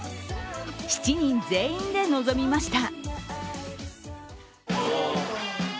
７人全員で臨みました。